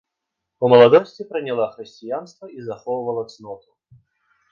У маладосці прыняла хрысціянства і захоўвала цноту.